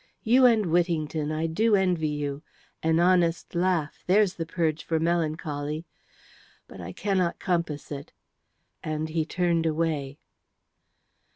You and Whittington, I do envy you. An honest laugh, there's the purge for melancholy. But I cannot compass it," and he turned away.